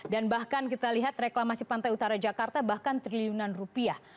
dan bahkan kita lihat reklamasi pantai utara jakarta bahkan triliunan rupiah